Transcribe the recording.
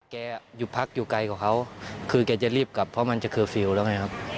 แกอยู่พักอยู่ไกลกว่าเขาคือแกจะรีบกลับเพราะมันจะเคอร์ฟิลล์แล้วไงครับ